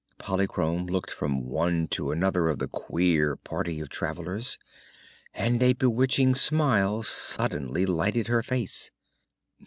Polychrome looked from one to another of the queer party of travelers and a bewitching smile suddenly lighted her face.